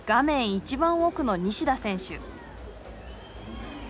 一番奥の西田選手。